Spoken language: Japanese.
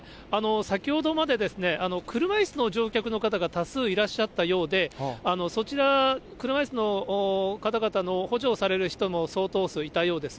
先ほどまで、車いすの乗客の方が多数いらっしゃったようで、そちら、車いすの方々の補助をされる人も相当数いたようです。